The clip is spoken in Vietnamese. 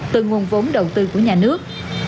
từ nguồn vốn đầu tư của nhà nước